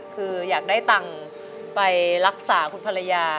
คืออยากได้ตังค์ไปรักษาคุณภรรยา